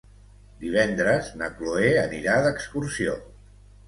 Divendres na Cloè anirà d'excursió.